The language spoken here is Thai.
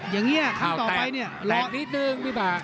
อย่างเงี้ยครั้งต่อไปเนี่ยแปลกนิดนึงพี่ปาก